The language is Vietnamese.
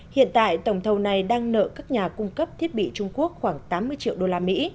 hiện tại tổng thầu này đang nợ các nhà cung cấp thiết bị trung quốc khoảng tám mươi triệu đô la mỹ